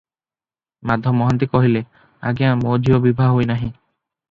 ମାଧ ମହାନ୍ତି କହିଲେ, "ଆଜ୍ଞା, ମୋ ଝିଅ ବିଭା ହୋଇନାହିଁ ।"